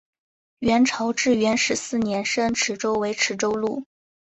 元朝至元十四年升池州为池州路。